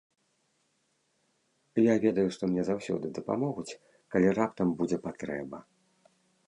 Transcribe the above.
Я ведаю, што мне заўсёды дапамогуць, калі раптам будзе патрэба.